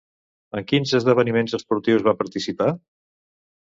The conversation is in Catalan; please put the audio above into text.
En quins esdeveniments esportius va participar?